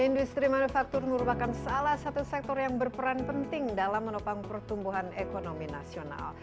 industri manufaktur merupakan salah satu sektor yang berperan penting dalam menopang pertumbuhan ekonomi nasional